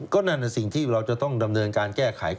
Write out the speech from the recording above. ก็นั่นสิ่งที่เราจะต้องดำเนินการแก้ไข